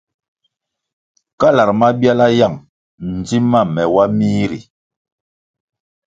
Kalar mabiala yang ndzim ma me wa mih ri.